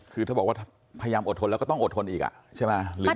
คือถ้าบอกว่าพยายามอดทนแล้วก็ต้องอดทนอีกใช่ไหม